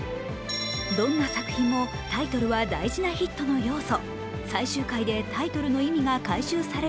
どんな作品もタイトルは大事なヒットの要素